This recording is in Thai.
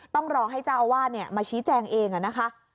ต้องรอให้เจ้าอาวาสมาชี้แจงเองนะคะ